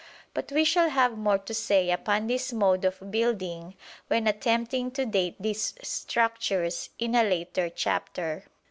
But we shall have more to say upon this mode of building when attempting to date these structures in a later chapter.